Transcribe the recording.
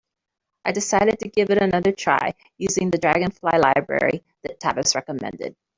I decided to give it another try, using the Dragonfly library that Tavis recommended.